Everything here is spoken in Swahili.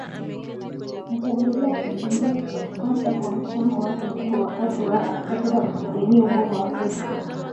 Ataendelea kukumbukwa hasa kwa mchango wake mkubwa wakati wa harakati za kupigania uhuru Afrika